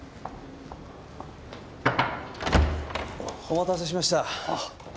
お待たせしました。